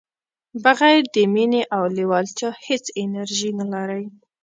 بغیر د مینې او لیوالتیا هیڅ انرژي نه لرئ.